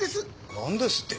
なんですって！？